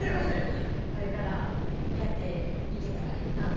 これからやっていけたらいいなと。